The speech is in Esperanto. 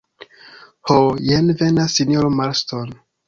Ho, jen venas sinjoro Marston.